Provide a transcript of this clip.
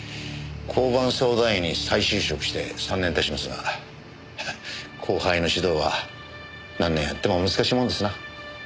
交番相談員に再就職して３年経ちますが後輩の指導は何年やっても難しいものですな。